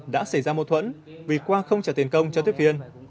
đã xảy ra mâu thuẫn vì quang không trả tiền công cho tiếp viên